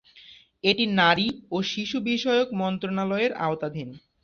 এটি নারী ও শিশু বিষয়ক মন্ত্রণালয়ের আওতাধীন।